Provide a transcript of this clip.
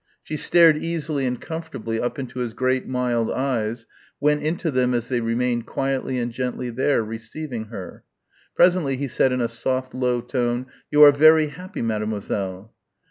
She stared easily and comfortably up into his great mild eyes, went into them as they remained quietly and gently there, receiving her. Presently he said in a soft low tone, "You are vairy happy, mademoiselle."